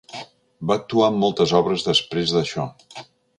Va actuar en moltes obres després d'això.